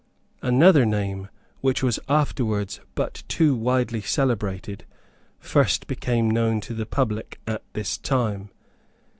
Another name, which was afterwards but too widely celebrated, first became known to the public at this time.